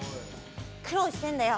苦労してんだよ。